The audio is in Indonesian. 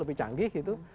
lebih canggih gitu